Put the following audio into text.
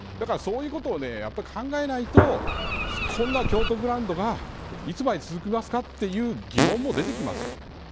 そういったことを考えないと京都ブランドがいつまで続きますかという疑問も出てきます。